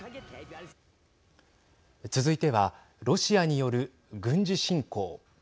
続いてはロシアによる軍事侵攻。